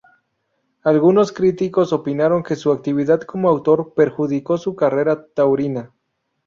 Algunos críticos opinaron que su actividad como actor perjudicó su carrera taurina.